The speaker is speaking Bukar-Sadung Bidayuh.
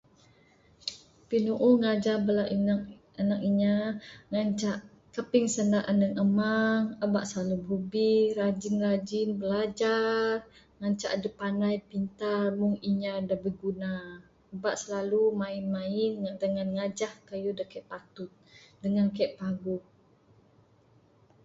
Pinuuh ngajar bala anak, anak kinya ngancak kaping sanda anung amang. Aba slalu birubi. Rajin rajin bilajar ngancak adup pandai pintar mung inya da biguna. Aba slalu main main dengan ngajah kayuh da kaik patut dengan kaik paguh.